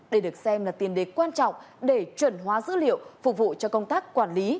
đây được xem là tiền đế quan trọng để chuẩn hóa dữ liệu phục vụ cho công tác quản lý